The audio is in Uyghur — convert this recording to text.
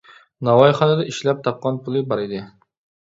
ناۋايخانىدا ئىشلەپ تاپقان پۇلى بار ئىدى.